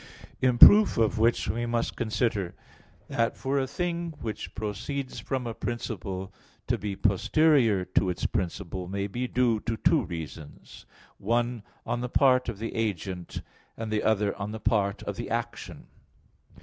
In proof of which we must consider that for a thing which proceeds from a principle to be posterior to its principle may be due to two reasons: one on the part of the agent, and the other on the part of the action.